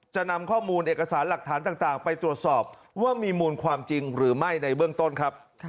จะนำข้อมูลเอกสารหลักฐานต่างไปตรวจสอบว่ามีมูลความจริงหรือไม่ในเบื้องต้นครับ